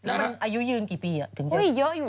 อายุยืนกี่ปีอ่ะ